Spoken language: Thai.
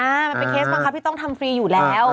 มันเป็นเคสบังคับที่ต้องทำฟรีอยู่แล้ว